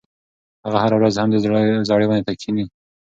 هغه هره ورځ همدې زړې ونې ته کښېني.